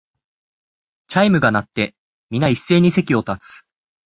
チャイムが鳴って、みな一斉に席を立つ